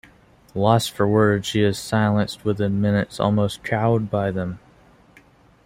Lost for words, she is silenced within minutes, almost cowed by them.